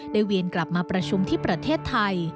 เวียนกลับมาประชุมที่ประเทศไทย